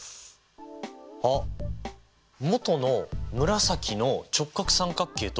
あっ元の紫の直角三角形と合同？